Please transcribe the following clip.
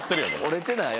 折れてない？